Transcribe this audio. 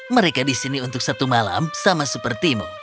mereka di sini untuk satu malam sama sepertimu